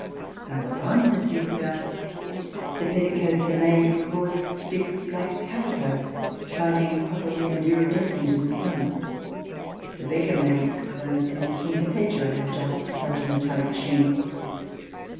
Farther on, as you look out, the petticoats are made of coarse, stiff, black calico, shining coppery and iridescent in the sun. The beggar maid's clothes in " King Cophetua " have just such a metallic sheen.